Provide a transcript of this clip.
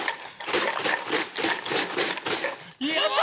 やった！